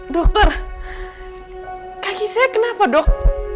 dokter kaki saya kenapa dok